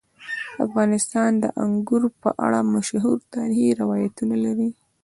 افغانستان د انګور په اړه مشهور تاریخی روایتونه لري.